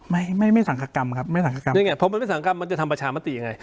ไม่ไม่สังคกรรมครับไม่สังฆกรรมยังไงผมไม่สังกรรมมันจะทำประชามติยังไง